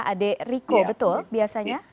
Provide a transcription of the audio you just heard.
adik riko betul biasanya